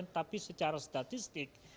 tapi secara statistik